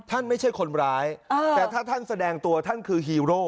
ไม่ใช่คนร้ายแต่ถ้าท่านแสดงตัวท่านคือฮีโร่